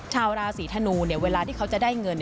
ชาวราศีธนูเวลาที่เขาจะได้เงิน